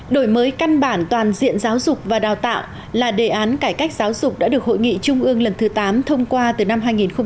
đổi mới căn bản toàn diện giáo dục và đào tạo là đề án cải cách giáo dục đã được hội nghị trung ương lần thứ tám thông qua từ năm hai nghìn một mươi